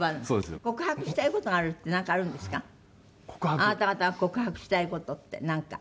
あなた方が告白したい事ってなんか。